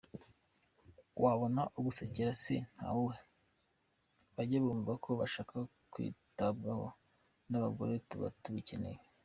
Wabona ugusekera se ntumuhe ? Bajye bumva uko bashaka kwitabwaho nabagore tuba tubikeneye.